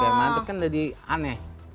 biar mana itu kan jadi aneh